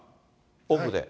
オフで。